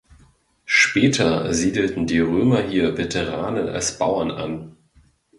Später siedelten die Römer hier Veteranen als Bauern an.